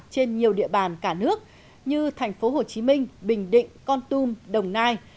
trên nhiều địa bàn cả nước như thành phố hồ chí minh bình định con tum đồng nai